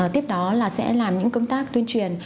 tiếp đó là sẽ làm những công tác tuyên truyền